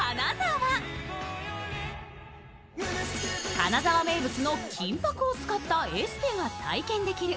金沢名物の金ぱくを使ったエステが体験できる。